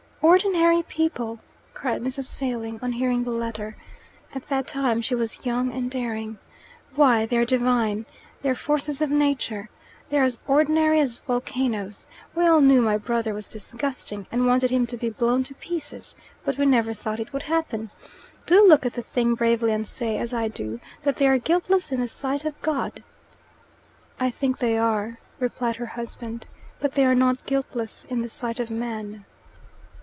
"Ordinary people!" cried Mrs. Failing on hearing the letter. At that time she was young and daring. "Why, they're divine! They're forces of Nature! They're as ordinary as volcanoes. We all knew my brother was disgusting, and wanted him to be blown to pieces, but we never thought it would happen. Do look at the thing bravely, and say, as I do, that they are guiltless in the sight of God." "I think they are," replied her husband. "But they are not guiltless in the sight of man."